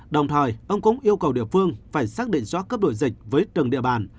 đồng thời ông cũng yêu cầu địa phương phải xác định cho cấp độ dịch với trường địa bàn